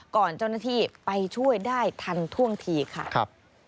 ก่อนเจ้าหน้าที่ไปช่วยได้ทันท่วงทีค่ะ